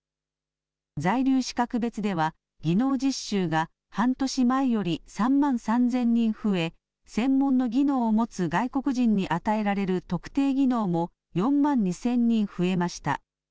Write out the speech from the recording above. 在留資格別では技能実習が半年前より３万３０００人増え専門の技能を持つ外国人に与えられる特定技能も４万２０００人増えました。